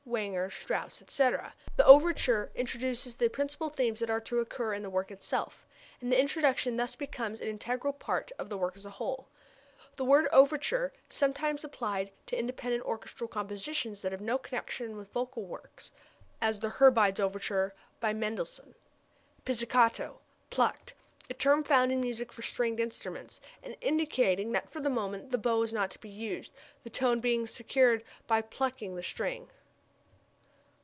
Wagner, Strauss, etc.), the overture introduces the principal themes that are to occur in the work itself, and the introduction thus becomes an integral part of the work as a whole. The word overture is sometimes applied to independent orchestral compositions that have no connection with vocal works, as the Hebrides Overture by Mendelssohn. Pizzicato plucked. A term found in music for stringed instruments, and indicating that for the moment the bow is not to be used, the tone being secured by plucking the string.